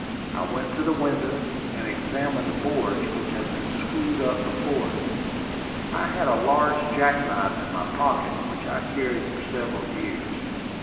I went to the window, and examined the boards which had been screwed up before it. I had a large jack knife in my pocket, which I had carried for several years.